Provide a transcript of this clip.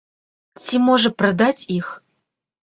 Ці, можа, прадаць іх?